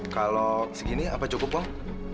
kalau segini apa cukup bang